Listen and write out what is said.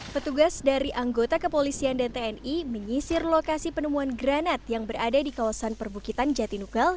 petugas dari anggota kepolisian dan tni menyisir lokasi penemuan granat yang berada di kawasan perbukitan jatinukel